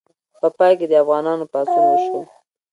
په پای کې د افغانانو پاڅون وشو.